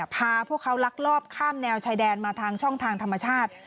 พาพวกเขาลักลอบข้ามแนวชายแดนมาทางช่องทางธรรมชาติ